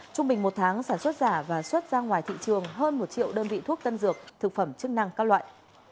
trung bình một tháng sản xuất giả và xuất ra ngoài thị trường hơn một triệu đơn vị thuốc tân dược thực phẩm chức năng các loại